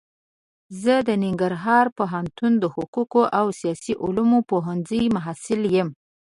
زه د ننګرهار پوهنتون د حقوقو او سیاسي علومو پوهنځي محصل يم.